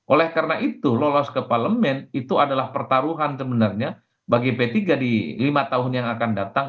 oleh karena itu lolos ke parlemen itu adalah pertaruhan sebenarnya bagi p tiga di lima tahun yang akan datang